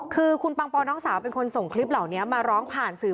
คือคุณปังปอนน้องสาวเป็นคนส่งคลิปเหล่านี้มาร้องผ่านสื่อ